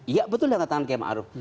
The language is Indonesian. iya betul dengan tangan ki haji maruf